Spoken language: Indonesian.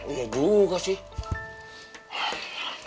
iya juga sih